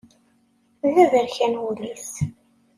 D aberkan wul-is.